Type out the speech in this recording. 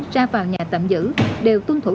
ra vào nhà tạm giữ đều tuân thủ